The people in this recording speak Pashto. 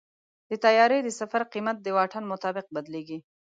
د طیارې د سفر قیمت د واټن مطابق بدلېږي.